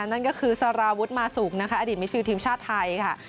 นั่นก็คือสารวุฒิมาสุกนะคะอดีตมิดฟิลทีมชาติไทยค่ะ